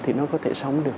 thì nó có thể sống được